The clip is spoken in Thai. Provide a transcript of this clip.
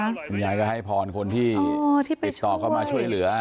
คุณยายก็ให้พรคนที่ติดต่อเข้ามาช่วยเหลือ